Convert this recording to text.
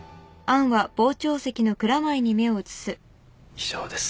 以上です。